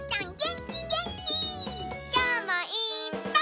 きょうもいっぱい。